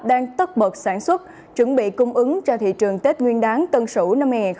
đang tất bật sản xuất chuẩn bị cung ứng cho thị trường tết nguyên đáng tân sửu năm hai nghìn hai mươi một